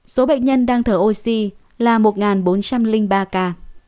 số bệnh nhân đang thở oxy là một bốn trăm linh ba ca